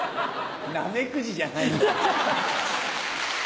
ナメクジじゃないんだから。